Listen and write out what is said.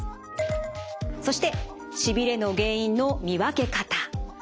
そしてしびれの原因の見分け方。